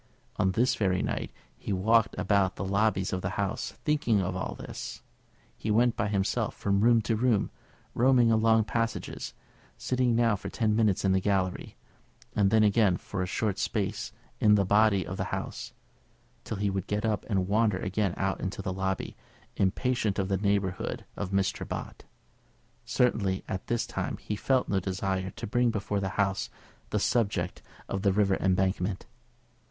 On this very night he walked about the lobbies of the House, thinking of all this. He went by himself from room to room, roaming along passages, sitting now for ten minutes in the gallery, and then again for a short space in the body of the House, till he would get up and wander again out into the lobby, impatient of the neighbourhood of Mr. Bott. Certainly just at this time he felt no desire to bring before the House the subject of the River Embankment.